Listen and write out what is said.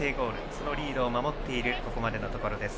そのリードを守っているここまでのところです。